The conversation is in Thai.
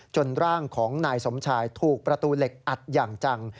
ร่างของนายสมชายถูกประตูเหล็กอัดอย่างจัง